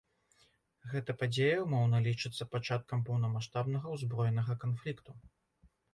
Гэта падзея ўмоўна лічыцца пачаткам поўнамаштабнага ўзброенага канфлікту.